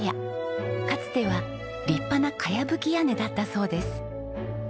かつては立派なかやぶき屋根だったそうです。